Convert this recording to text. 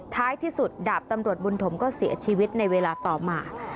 ท้ายที่สุดดาบตำรวจบุญถมก็เสียชีวิตในเวลาต่อมา